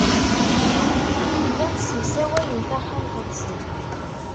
Llan ssemsawayen taxxamt-nsen.